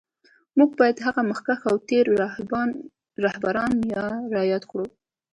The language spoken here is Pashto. موږ باید هغه مخکښ او تېر رهبران را یاد کړو